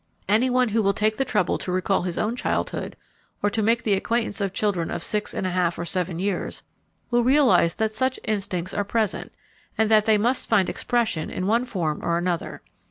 Any one who will take the trouble to recall his own childhood, or to make the acquaintance of children of six and a half or seven years, will realize that such instincts are present, and that they must find expression in one form or another.